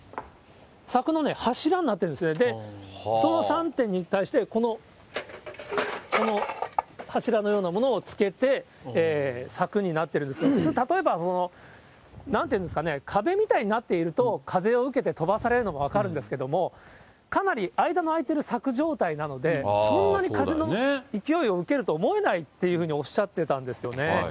柵のね、柱になってるんですね、その３点に対して、この柱のようなものをつけて、柵になってるんですが、普通、例えば、なんて言うんですかね、壁みたいになっていると、風を受けて飛ばされるのは分かるんですけれども、かなり間の空いている柵状態なので、そんなに風の勢いを受けるとは思えないっていうふうにおっしゃってたんですよね。